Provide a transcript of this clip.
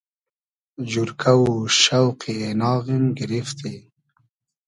جورکۂ و شۆقی اېناغیم گیریفتی